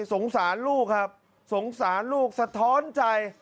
สงสารลูกครับสงสารลูกสะท้อนใจ